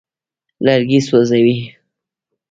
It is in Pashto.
لرګي سوځوي.